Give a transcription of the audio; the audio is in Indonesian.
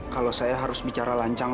kalau saya harus bicara lancang